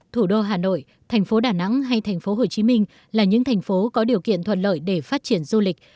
thủ đô hà nội thành phố đà nẵng hay thành phố hồ chí minh là những thành phố có điều kiện thuận lợi để phát triển du lịch